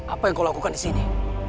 apa yang kau lakukan disini